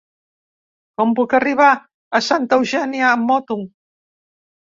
Com puc arribar a Santa Eugènia amb moto?